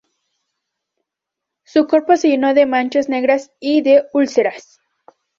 Su cuerpo se llenó de manchas negras y de úlceras.